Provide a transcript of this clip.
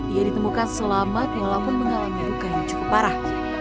ia ditemukan selamat walaupun mengalami luka yang cukup parah